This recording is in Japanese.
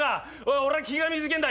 俺は気が短えんだ！